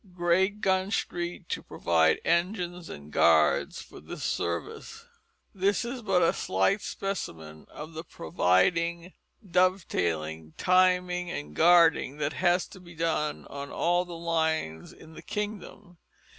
Greatgun Street to provide Engines and Guards for this service." This is but a slight specimen of the providing, dovetailing, timing, and guarding that has to be done on all the lines in the kingdom.